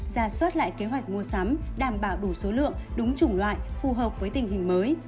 ra soát lại kế hoạch mua sắm đảm bảo đủ số lượng đúng chủng loại phù hợp với tình hình mới